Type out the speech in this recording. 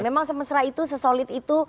memang semesra itu sesolid itu